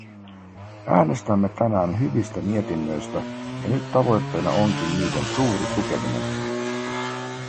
Äänestämme tänään hyvistä mietinnöistä, ja nyt tavoitteena onkin niiden suuri tukeminen.